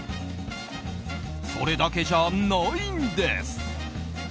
それだけじゃないんです！